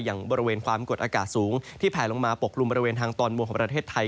อย่างบริเวณความกดอากาศสูงที่แผลลงมาปกกลุ่มบริเวณทางตอนบนของประเทศไทย